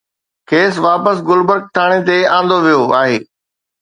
کيس واپس گلبرگ ٿاڻي تي آندو ويو آهي